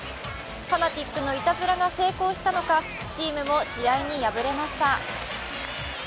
ファナティックのいたずらが成功したのかチームも試合に敗れました。